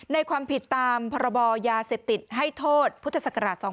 ในความผิดตามพยเสพติดให้โทษพศ๒๕๒๒